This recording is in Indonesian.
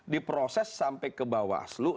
diproses sampai ke bawah asluk